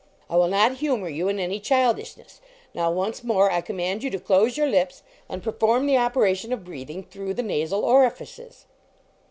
I will not humor you in any childishness. Now, once more, I command you to close your lips and perform the operation of breathing through the nasal orifices."